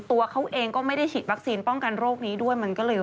ตัวเขาเองก็ไม่ได้ฉีดวัคซีนป้องกันโรคนี้ด้วยมันก็เลย